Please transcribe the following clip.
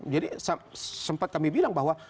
jadi sempat kami bilang bahwa